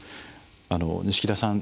錦田さん